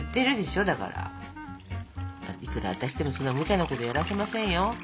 いくら私でもそんなむちゃなことやらせませんよ。